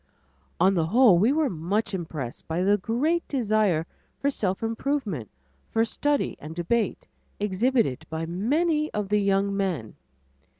On the whole we were much impressed by the great desire for self improvement, for study and debate, exhibited by many of the young men.